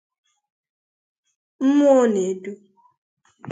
mmụọ na-edu